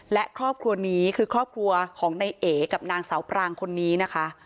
และครอบครัวนี้คือครอบครัวของนายเอ๋กับนางสาวปรางคนนี้นะคะ